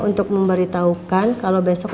untuk memberitahukan kalau besok